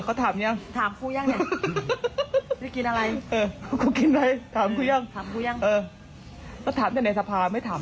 ความอยากใจอยากได้อย่างเดิม